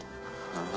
ああ。